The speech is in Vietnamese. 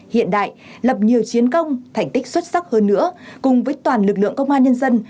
hiện đại lập nhiều chiến công thành tích xuất sắc hơn nữa cùng với toàn lực lượng công an nhân dân